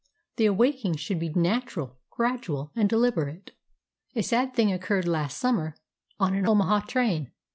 The awaking should be natural, gradual, and deliberate. A sad thing occurred last summer on an Omaha train.